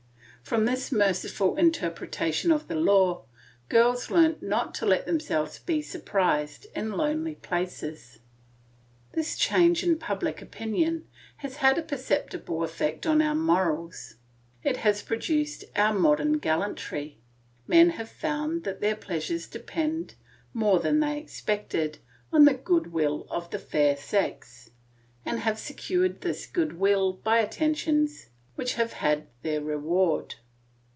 From this merciful interpretation of the law, girls learnt not to let themselves be surprised in lonely places. This change in public opinion has had a perceptible effect on our morals. It has produced our modern gallantry. Men have found that their pleasures depend, more than they expected, on the goodwill of the fair sex, and have secured this goodwill by attentions which have had their reward.